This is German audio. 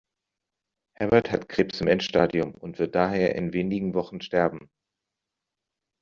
Herbert hat Krebs im Endstadium und wird daher in wenigen Wochen sterben.